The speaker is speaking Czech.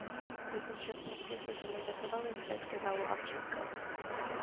Do současnosti se z něj zachovaly zbytky valu a příkop.